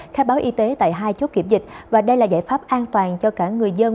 khai báo y tế tại hai chốt kiểm dịch và đây là giải pháp an toàn cho cả người dân